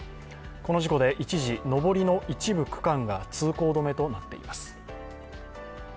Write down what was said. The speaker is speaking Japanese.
この事故で一時、上りの一部区間が通行止めとなっています。